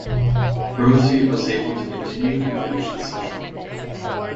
Rossi was able to continue and finish the session.